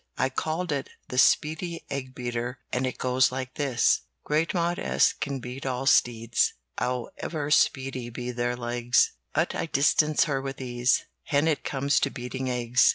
I called it 'The Speedy Egg Beater,' and it goes like this: "Great Maude S. can beat all steeds, However speedy be their legs; But I distance her with ease When it comes to beating eggs."